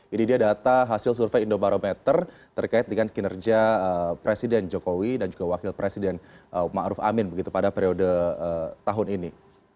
ini dia data hasil survei indobarometer terkait dengan kinerja presiden jokowi dan juga wakil presiden ⁇ maruf ⁇ amin begitu pada periode tahun ini